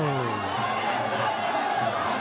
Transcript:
โอ้โห